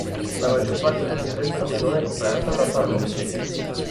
La maggior parte del distretto non è coperta da parrocchie.